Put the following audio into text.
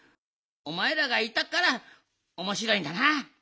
おまえらがいたからおもしろいんだな。